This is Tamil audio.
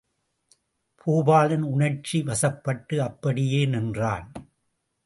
பூபாலன் உணர்ச்சி வசப்பட்டு அப்படியே நின்றான்.